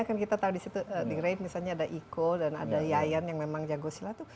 kan kita tahu di the raid misalnya ada iko dan ada yayan yang memang jago silat